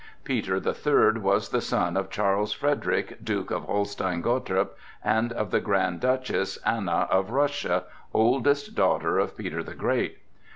Peter the Third was the son of Charles Frederick, Duke of Holstein Gottorp, and of the Grand Duchess Anna of Russia, oldest daughter of Peter the Great.